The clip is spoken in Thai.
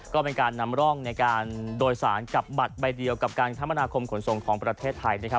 ก็เป็นการนำร่องในการโดยสารกับบัตรใบเดียวกับการคมนาคมขนส่งของประเทศไทยนะครับ